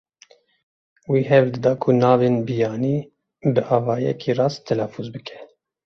Wî hewl dida ku navên biyanî bi awayekî rast telafûz bike.